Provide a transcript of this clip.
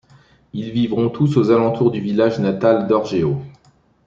Ils vivront tous aux alentours du village natal d'Orgeo.